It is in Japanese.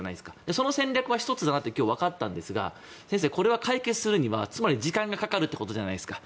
その戦略は１つだなと今日わかったんですが先生、これは解決するには時間がかかるということじゃないですか。